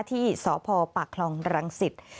ที่สพปคลรังสิทธิ์